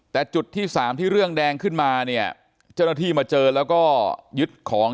แต่จุดที่สามที่เรื่องแดงขึ้นมาเนี่ยเจ้าหน้าที่มาเจอแล้วก็ยึดของ